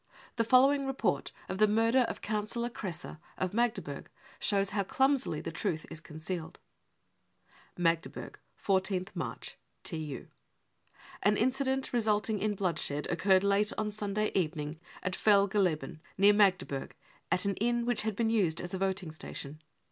The following report of the murder of Councillor Kresse, of Magdeburg, shows how clumsily the truth is concealed : "Magdeburg, 14th March (TU.), An incident resulting in bloodshed occurred late on Sunday evening at Fel geleben, near Magdeburg, at an inn which had been used as a voting station.